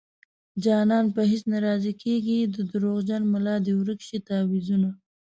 جانان په هيڅ نه رضا کيږي د دروغجن ملا دې ورک شي تعويذونه